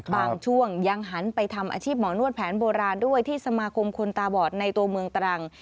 บางช่วงยังหันไปทำอาชีพหมอนวดแผนโบราณด้วยที่สมาคมคนตาบอดในตัวเมืองตรัง